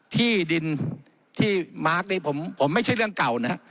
ที่ดินที่มาร์คนี้ผมไม่ใช่เรื่องเก่านะ